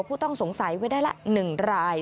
ผู้ต้องสงสัยไว้ได้ละ๑ราย